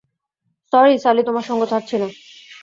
Sorry, সালি, তোমার সঙ্গ ছাড়ছি না।